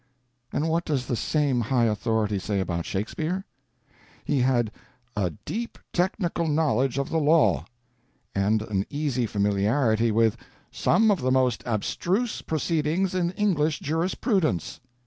And what does the same high authority say about Shakespeare? He had "a deep technical knowledge of the law," and an easy familiarity with "some of the most abstruse proceedings in English jurisprudence."